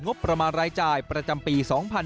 งบประมาณรายจ่ายประจำปี๒๕๕๙